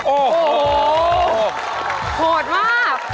โอ้โหโหดมาก